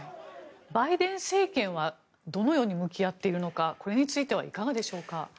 バイデン政権はどのように向き合っているのかこれについてはいかがでしょうか？